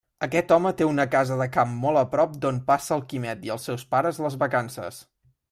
Aquest home té una casa de camp molt a prop d'on passa el Quimet i els seus pares les vacances.